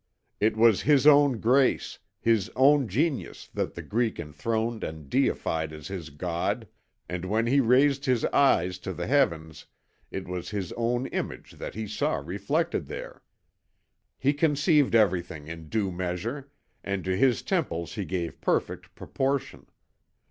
"It was his own grace, his own genius that the Greek enthroned and deified as his God, and when he raised his eyes to the heavens it was his own image that he saw reflected there. He conceived everything in due measure; and to his temples he gave perfect proportion.